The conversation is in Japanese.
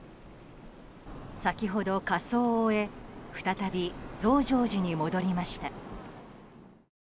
先ほど火葬を終え再び増上寺に戻りました。